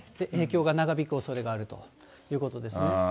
影響が長引くおそれがあるということですね。